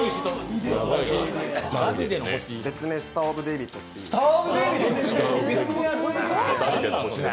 別名、スター・オブ・デイビッドといいます。